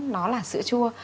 nó là sữa chua